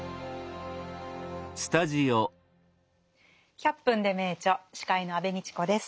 「１００分ｄｅ名著」司会の安部みちこです。